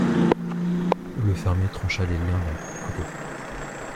Le fermier trancha les liens d'un coup de couteau.